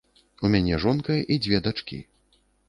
У мяне жонка і дзве дачкі.